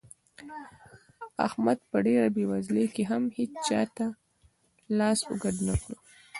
احمد په ډېره بېوزلۍ کې هم هيچا ته لاس اوږد نه کړ.